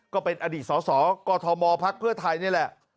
ก็เป็นอดีตสอกมพไทยนี่แหละ